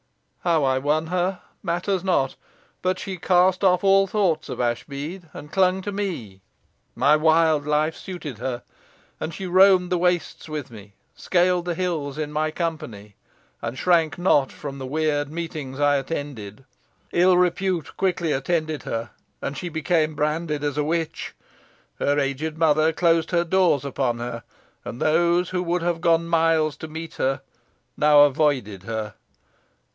How I won her matters not, but she cast off all thoughts of Ashbead, and clung to me. My wild life suited her; and she roamed the wastes with me, scaled the hills in my company, and shrank not from the weird meetings I attended. Ill repute quickly attended her, and she became branded as a witch. Her aged mother closed her doors upon her, and those who would have gone miles to meet her, now avoided her.